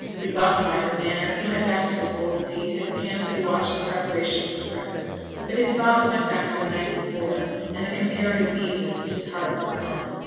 Rebuffed by her manner, he went back to his old seat, and mechanically watched the preparations for breakfast; but his thoughts went back to the night before, and the comparative ease of his heart was gone.